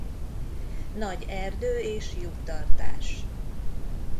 Nagy erdő és juh-tartás.